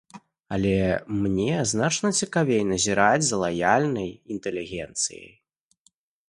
Але мне значна цікавей назіраць за лаяльнай інтэлігенцыяй.